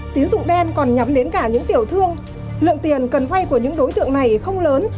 tín dụng đen còn nhắm đến cả những tiểu thương lượng tiền cần vay của những đối tượng này không lớn